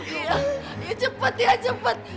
iya dia cepat ya cepat